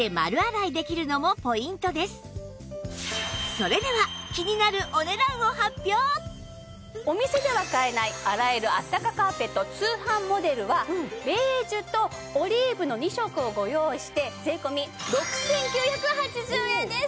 それでは気になるお店では買えない洗えるあったかカーペット通販モデルはベージュとオリーブの２色をご用意して税込６９８０円です！